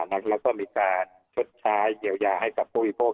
แล้วก็มีการชดใช้เยียวยาให้กับผู้บริโภค